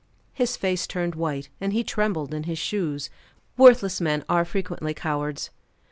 His face turned white, and he trembled in his shoes worthless men are frequently cowards.